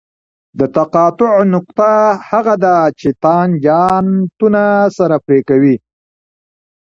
د تقاطع نقطه هغه ده چې تانجانتونه سره پرې کوي